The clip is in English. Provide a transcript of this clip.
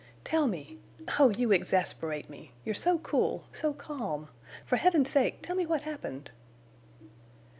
"Tell me! Oh, you exasperate me! You're so cool, so calm! For Heaven's sake, tell me what happened!"